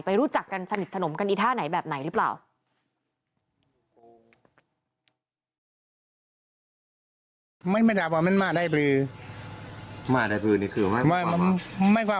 รู้จักกันสนิทสนมกันอีท่าไหนแบบไหนหรือเปล่า